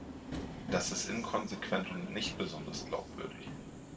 Das ist inkonsequent und nicht besonders glaubwürdig.